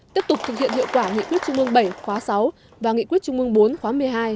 tiếp tục thực hiện hiệu quả nghị quyết trung ương bảy khóa sáu và nghị quyết trung ương bốn khóa một mươi hai